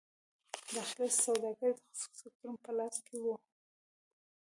داخلي سوداګري د خصوصي سکتور په لاس کې وه.